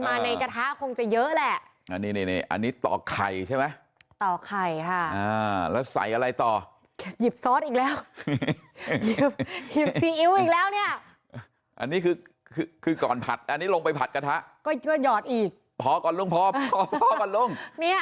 มือปรุง